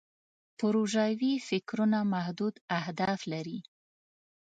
پروژوي فکرونه محدود اهداف لري.